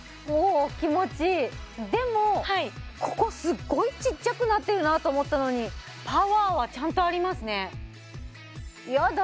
でもここすっごいちっちゃくなってるなと思ったのにちゃんとやだ